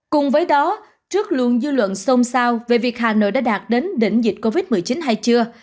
cùng với đó trước luôn dư luận xôn xao về việc hà nội đã đạt đến đỉnh dịch covid một mươi chín hay chưa